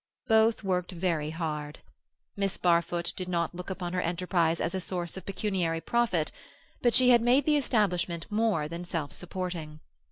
Both worked very hard. Miss Barfoot did not look upon her enterprise as a source of pecuniary profit, but she had made the establishment more than self supporting.